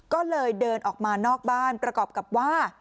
ก็เลยเดินออกมานอกบ้านประกอบกับว่า